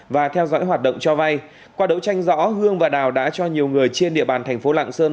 và theo dõi hoạt động cho vay qua đấu tranh rõ hương và đào đã cho nhiều người trên địa bàn thành phố lạng sơn